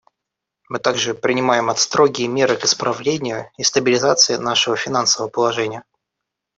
Мы также принимаем строгие меры к исправлению и стабилизации нашего финансового положения.